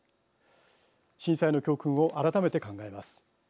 震災の教訓を改めて考えます。